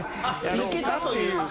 あっ抜けたという。